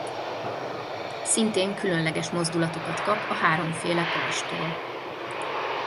Szintén különleges mozdulatokat kap a háromféle pajzstól.